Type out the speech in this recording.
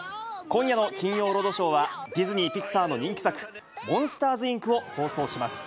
今夜の金曜ロードショーは、ディズニー・ピクサーの人気作、モンスターズ・インクを放送します。